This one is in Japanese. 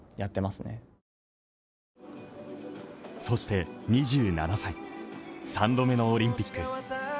そして２７歳、３度目のオリンピック。